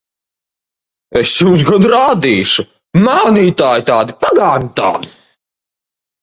Es jums gan rādīšu! Mānītāji tādi! Pagāni tādi!